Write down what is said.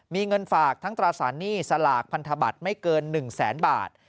มีเงินฝากทั้งตราสารหนี้สลากพันธบัตรไม่เกิน๑แสนบาท